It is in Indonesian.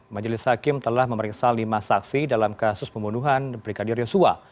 majelis hakim telah memeriksa lima saksi dalam kasus pembunuhan brigadir yosua